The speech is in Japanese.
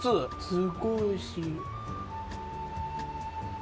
すごいおいしい。